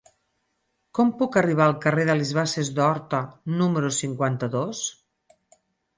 Com puc arribar al carrer de les Basses d'Horta número cinquanta-dos?